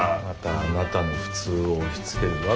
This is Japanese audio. またあなたの普通を押しつける。